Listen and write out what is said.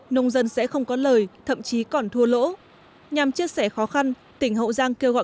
nông dân sẽ không có lời thậm chí còn thua lỗ nhằm chia sẻ khó khăn tỉnh hậu giang kêu gọi